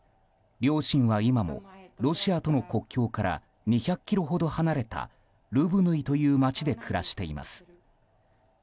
両親は今もロシアとの国境から２００ｋｍほど離れたルブヌイという街で暮らしています。